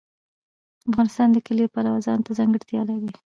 افغانستان د کلي د پلوه ځانته ځانګړتیا لري.